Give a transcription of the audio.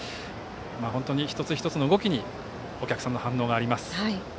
一つ一つの動きにお客さんの反応があります。